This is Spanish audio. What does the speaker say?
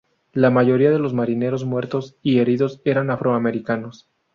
La mayoría de los marineros muertos y heridos eran afroamericanos.